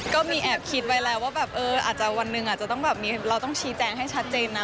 ก็มีแอบคิดไว้แล้วว่าแบบเอออาจจะวันหนึ่งอาจจะต้องแบบมีเราต้องชี้แจงให้ชัดเจนนะ